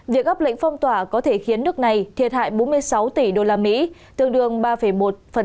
việc gấp lệnh phong tỏa có thể khiến nước này thiệt hại bốn mươi sáu tỷ usd tương đương ba một gdp mỗi tháng